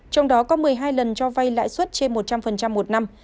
trong đó có một mươi hai lần cho vay lãi suất trên một trăm linh một năm